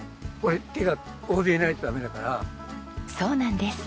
そうなんです。